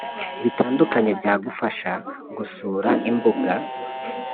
bitandukanye byagufasha, gusura imbuga